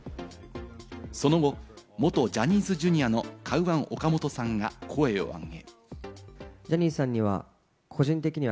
その後、元ジャニーズＪｒ．のカウアン・オカモトさんが声を上げ。